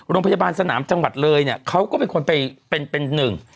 โรงพยาบาลสนามจังหวัดเรยเขาก็เป็นคนเป็นหนึ่ง